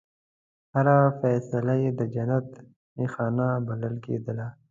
هره فیصله یې د جنت نښانه بلل کېدله.